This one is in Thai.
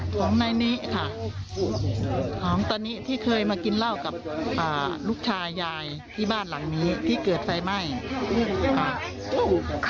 ของนายนิค่ะของตอนนี้ที่เคยมากินเหล้ากับอ่าลูกชายยายที่บ้านหลังนี้ที่เกิดไฟไหม้ค่ะ